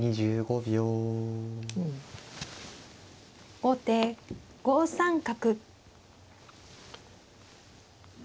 後手５三角。